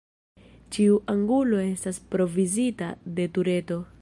Ĉiu angulo estas provizita de tureto.